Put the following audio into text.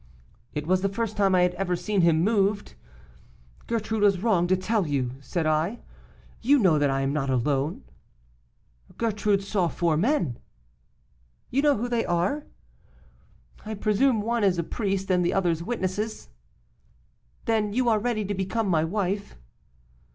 It was the first time I had ever seen him moved. Gertrude was wrong to tell you,' said I. 'You know that I am not alone.' 'Gertrude saw four men.' 'You know who they are?' 'I presume one is a priest, and the others witnesses.' 'Then, you are ready to become my wife?